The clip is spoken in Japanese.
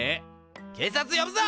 警察呼ぶぞ！